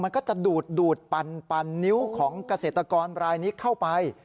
มันก็จะดูดปันนิ้วของเกษตรกรรายนี้เข้าไป